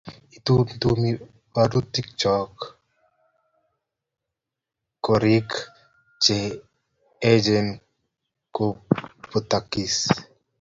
itumtumi barutichoto korik che echen kobutokis